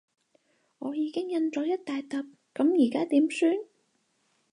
我已經印咗一大疊，噉而家點算？